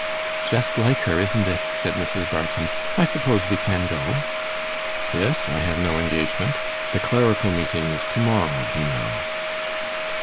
'Just like her, isn't it?' said Mrs. Barton. 'I suppose we can go?' 'Yes; I have no engagement. The Clerical Meeting is to morrow, you know.